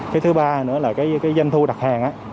cái thứ ba nữa là cái danh thu đặt hàng á